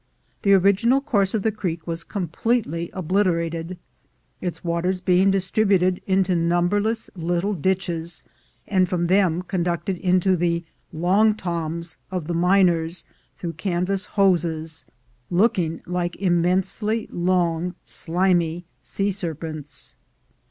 The original course of the creek was completely oblit erated, its waters being distributed into numberless little ditches, and from them conducted into the ; "long toms" of the miners through canvas hoses, looking like immensely long slimy sea serpents.